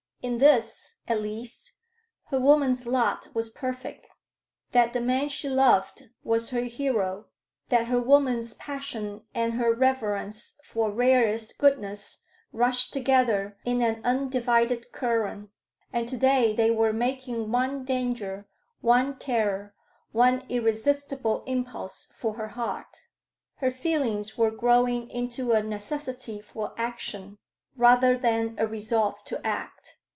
In this, at least, her woman's lot was perfect: that the man she loved was her hero; that her woman's passion and her reverence for rarest goodness rushed together in an undivided current. And to day they were making one danger, one terror, one irresistible impulse for her heart. Her feelings were growing into a necessity for action, rather than a resolve to act.